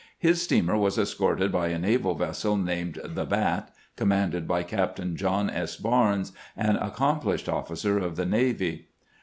His steamer was escorted by a naval vessel named the Bat, commanded by Captain John S. Barnes, an accom plished officer of the navy.